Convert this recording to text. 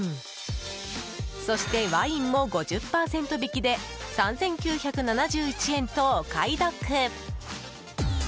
そしてワインも５０％引きで３９７１円とお買い得。